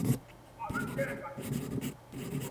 د شپې ډېوې یا د شیخانو غونډي ولیدلې ,